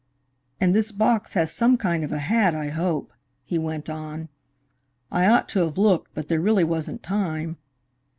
"And this box has some kind of a hat, I hope," he went on. "I ought to have looked, but there really wasn't time."